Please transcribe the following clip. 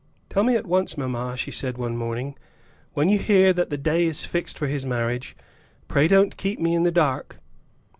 "Tell me at once, mamma," she said one morning, "when you hear that the day is fixed for his marriage. Pray don't keep me in the dark."